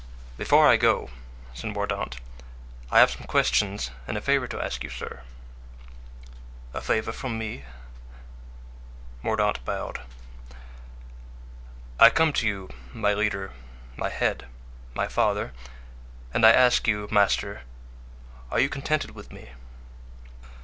"Before I go," said Mordaunt, "I have some questions and a favor to ask you, sir." "A favor from me?" Mordaunt bowed. "I come to you, my leader, my head, my father, and I ask you, master, are you contented with me?"